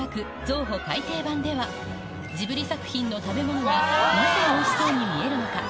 増補改訂版では、ジブリ作品の食べ物が、なぜおいしそうに見えるのか。